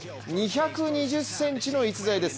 ２２０ｃｍの逸材です。